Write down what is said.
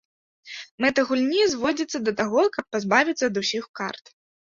Мэта гульні зводзіцца да таго, каб пазбавіцца ад усіх карт.